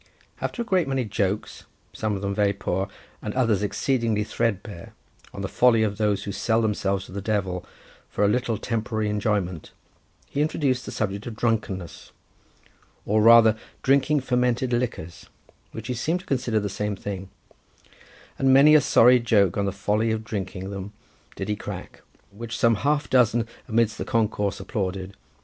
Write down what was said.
After a great many jokes, some of them very poor, and others exceedingly threadbare, on the folly of those who sell themselves to the Devil for a little temporary enjoyment, he introduced the subject of drunkenness, or rather drinking fermented liquors, which he seemed to consider the same thing; and many a sorry joke on the folly of drinking them did he crack, which some half dozen amidst the concourse applauded.